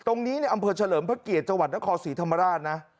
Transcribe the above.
ในอำเภอเฉลิมพระเกียรติจังหวัดนครศรีธรรมราชนะ